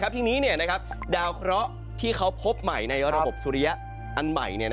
ทีนี้ดาวเคราะห์ที่เขาพบใหม่ในระบบสุริยะอันใหม่